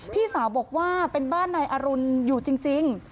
พี่สาวบอกว่าเป็นบ้านนายอรุณอยู่จริง